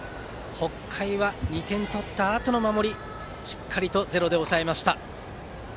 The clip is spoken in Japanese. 北海は２点取ったあとの守りしっかりとゼロで抑えました。